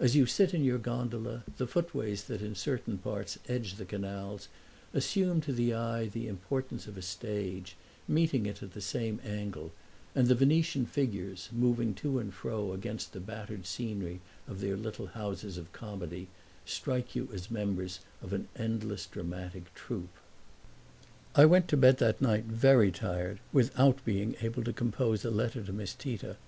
As you sit in your gondola the footways that in certain parts edge the canals assume to the eye the importance of a stage, meeting it at the same angle, and the Venetian figures, moving to and fro against the battered scenery of their little houses of comedy, strike you as members of an endless dramatic troupe. I went to bed that night very tired, without being able to compose a letter to Miss Tita.